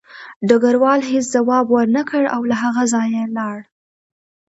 ډګروال هېڅ ځواب ورنکړ او له هغه ځایه لاړ